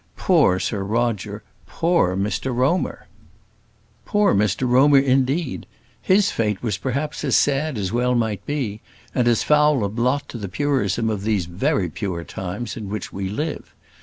Poor Sir Roger! Poor Mr Romer. Poor Mr Romer indeed! His fate was perhaps as sad as well might be, and as foul a blot to the purism of these very pure times in which we live.